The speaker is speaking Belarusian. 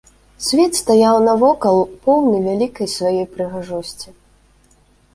Свет стаяў навокал, поўны вялікай сваёй прыгажосці.